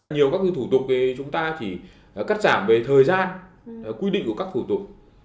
nhiều các thủ tục chúng ta chỉ cắt giảm về thời gian quy định của các thủ tục